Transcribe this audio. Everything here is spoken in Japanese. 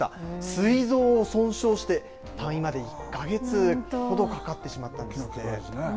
すい臓を損傷して退院まで１か月ほどかかってしまったわけなんです。